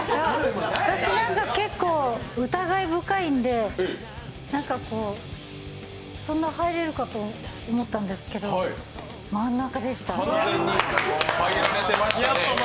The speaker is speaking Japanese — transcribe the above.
私、なんか結構、疑い深いんで何かこう、そんな入れるかと思ったんですけど、完全に入られてましたね。